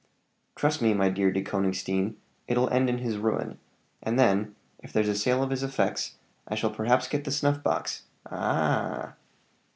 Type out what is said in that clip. Trust me, my dear De Konigstein, it'll end in his ruin; and then, if there's a sale of his effects, I shall perhaps get the snuff box a a h!"